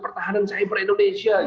pertahanan cyber indonesia gitu